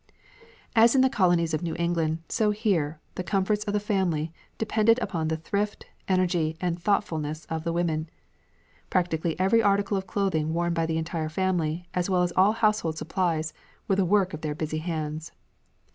As in the colonies of New England, so here, the comforts of the family depended upon the thrift, energy, and thoughtfulness of the women. Practically every article of clothing worn by the entire family, as well as all household supplies, were the work of their busy hands.